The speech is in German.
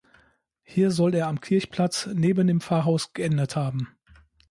Hier soll er am Kirchplatz neben dem Pfarrhaus geendet haben.